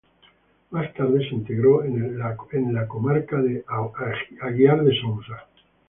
Más tarde, se integró en el Comarca de Aguiar de Sousa.